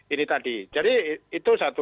ini tadi jadi itu satu